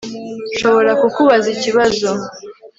Nshobora kukubaza ikibazo